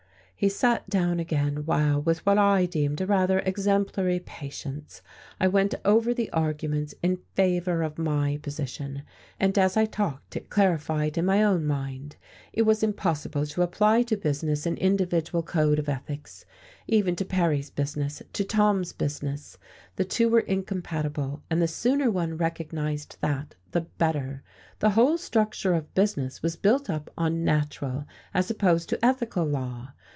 He sat down again while, with what I deemed a rather exemplary patience, I went over the arguments in favour of my position; and as I talked, it clarified in my own mind. It was impossible to apply to business an individual code of ethics, even to Perry's business, to Tom's business: the two were incompatible, and the sooner one recognized that the better: the whole structure of business was built up on natural, as opposed to ethical law.